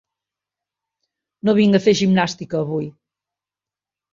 No vinc a fer gimnàstica, avui.